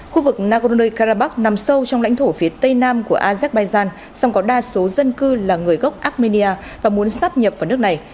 khu vực nagorno karabakh nằm sâu trong lãnh thổ phía tây nam của azerbaijan song có đa số dân cư là người gốc armenia và muốn sắp nhập vào nước này